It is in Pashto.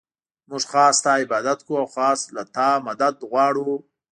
مونږ خاص ستا عبادت كوو او خاص له تا نه مدد غواړو.